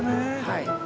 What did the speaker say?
はい。